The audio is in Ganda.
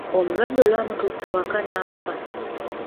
Omulwadde olwamutuusa awaka n'afa!